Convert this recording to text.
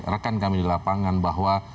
rekan kami di lapangan bahwa